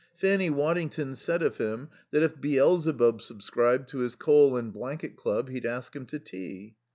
Fanny Waddington said of him that if Beelzebub subscribed to his coal and blanket club he'd ask him to tea.